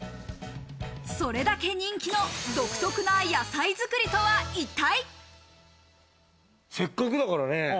それだけ人気の独特な野菜づくりとは一体？